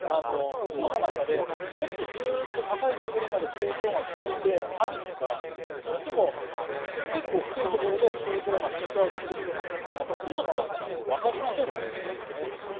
雲の中でもっとずっと高いところまで頂上が続いてあるのかそれとも結構、低いところで頂上がピークアウトするのかはもう雲の中なのでわかりませんということですね。